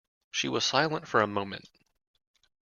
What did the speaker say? She was silent for a moment.